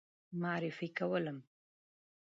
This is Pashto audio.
معرفي کولم.